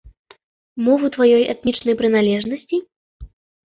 Мову тваёй этнічнай прыналежнасці?